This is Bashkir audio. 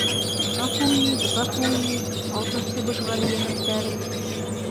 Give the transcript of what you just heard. — Ғәфүит, ғәфүит, Алтынсебеш ғәлийәнәптәре...